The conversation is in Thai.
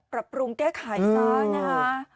ปรับปรุงแก้ไขซะนะคะ